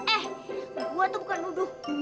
eh gue tuh bukan bodoh